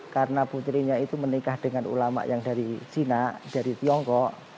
karena putrinya itu menikah dengan ulama yang dari cina dari tiongkok